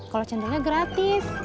kalau candi nya gratis